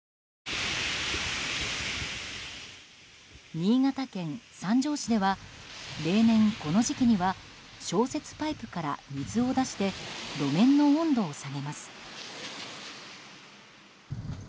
新潟県三条市では例年、この時期には消雪パイプから水を出して路面の温度を下げます。